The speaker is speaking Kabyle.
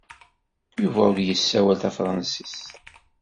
Yuba ur yessawal tafṛensist.